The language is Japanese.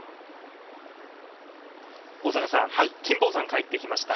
金峰山が帰ってきました。